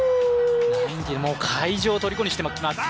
会場をとりこにしていきます。